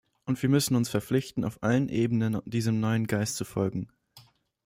Und wir müssen uns verpflichten, auf allen Ebenen diesem neuen Geist zu folgen.